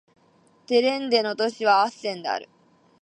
ドレンテ州の州都はアッセンである